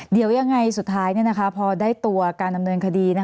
เดี๋ยวยังไงสุดท้ายพอได้ตัวการดำเนินคดี